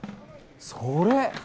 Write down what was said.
それ！